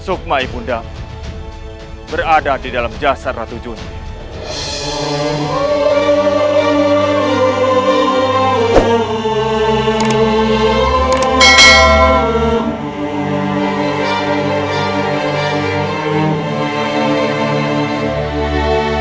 sukma ibundamu berada di dalam jasad ratu juni